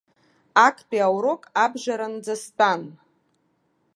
Актәи аурок абжаранӡа стәан.